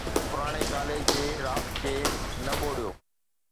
پراڻي ڪاليج جي رافٽ کي نه ٻوڙيو.